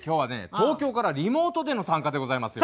東京からリモートでの参加でございますよ。